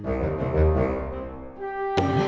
kamu aja yang jawab akang capek